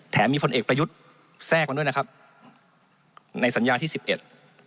มีพลเอกประยุทธ์แทรกมาด้วยนะครับในสัญญาที่สิบเอ็ด